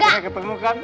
akhirnya ketemu kan